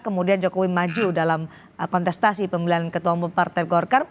kemudian jokowi maju dalam kontestasi pemilihan ketua umum partai golkar